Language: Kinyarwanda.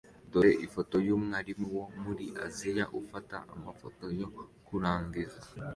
Dore ifoto yumwarimu wo muri Aziya ufata amafoto yo kurangiza